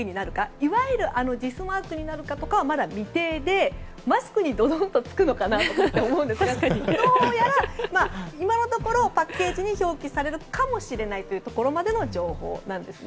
いわゆるあのＪＩＳマークになるかはまだ未定でマスクにドドンとつくのかなと思ったんですがどうやら今のところパッケージに表記されるかもしれないというところまでの情報なんですね。